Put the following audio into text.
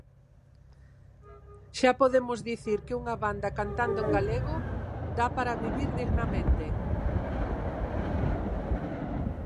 Xa podemos dicir que unha banda cantando en galego dá para vivir dignamente.